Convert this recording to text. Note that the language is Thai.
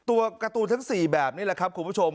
ตัวการ์ตูนทั้ง๔แบบนี้แหละครับคุณผู้ชม